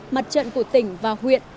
mặt trận của tỉnh và huyện